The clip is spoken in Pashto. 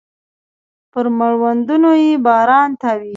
پر مړوندونو يې باران تاویږې